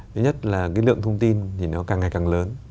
thứ nhất là cái lượng thông tin thì nó càng ngày càng lớn